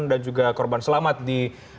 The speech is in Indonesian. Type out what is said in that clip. dan juga korban selamat di